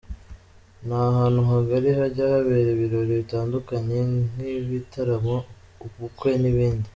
Ni ahantu hagari hajya habera ibirori bitandukanye nk’ibitaramo, ubukwe n’ibindi.